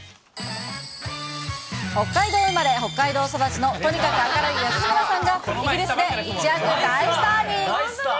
北海道生まれ、北海道育ちのとにかく明るい安村さんが、イギリスで一躍大スターに。